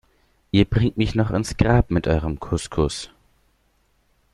Ihr bringt mich noch ins Grab mit eurem Couscous.